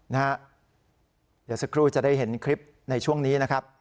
เดี๋ยวสักครู่จะได้เห็นคลิปในช่วงนี้นะครับ